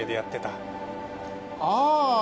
ああ！